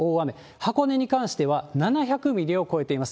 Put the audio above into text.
箱根に関しては７００ミリを超えています。